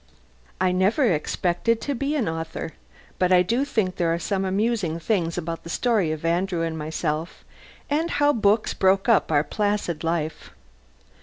I never expected to be an author! But I do think there are some amusing things about the story of Andrew and myself and how books broke up our placid life.